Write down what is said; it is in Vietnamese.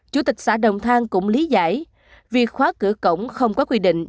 chủ tịch xã đồng thang cũng lý giải việc khóa cửa cổng không có quy định